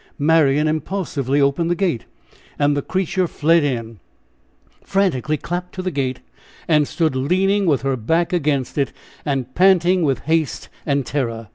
Marian impulsively opened the gate, and the creature fled in, frantically clapped to the gate, and stood leaning with her back against it, and panting with haste and terror.